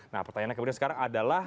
nah pertanyaannya kemudian sekarang adalah